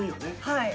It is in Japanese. はい。